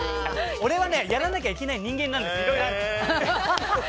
俺はやらなきゃいけない人間なのよ、いろいろあるから。